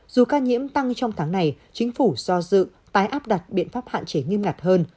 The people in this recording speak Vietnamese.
dù ca nhiễm tăng trong tháng này chính phủ do dự tái áp đặt biện pháp hạn chế nghiêm ngặt hơn